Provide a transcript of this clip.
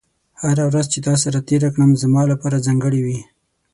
هره ورځ چې تا سره تېره کړم، زما لپاره ځانګړې وي.